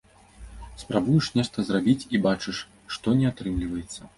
Спрабуеш нешта зрабіць, і бачыш, што не атрымліваецца.